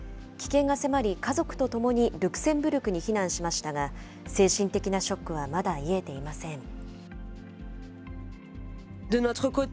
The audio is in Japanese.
危険が迫り、家族と共にルクセンブルクに避難しましたが、精神的なショックはまだ癒えていません。